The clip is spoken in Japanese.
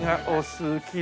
好き！